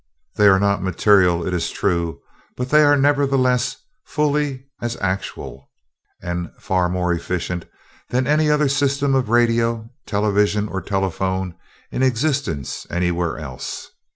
They are not material, it is true, but they are nevertheless fully as actual, and far more efficient, than any other system of radio, television, or telephone in existence anywhere else.